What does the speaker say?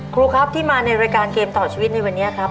ครูครับที่มาในรายการเกมต่อชีวิตในวันนี้ครับ